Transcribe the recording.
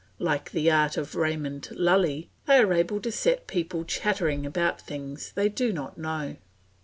Like the art of Raymond Lully they are able to set people chattering about things they do not know.